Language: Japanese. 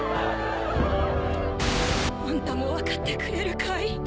あんたも分かってくれるかい？